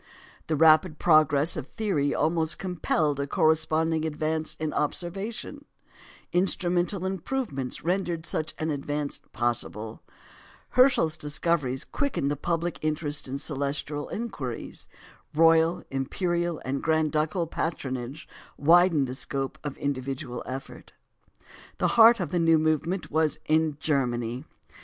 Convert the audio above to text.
The rapid progress of theory almost compelled a corresponding advance in observation; instrumental improvements rendered such an advance possible; Herschel's discoveries quickened public interest in celestial inquiries; royal, imperial, and grand ducal patronage widened the scope of individual effort. The heart of the new movement was in Germany.